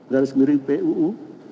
garis miring puu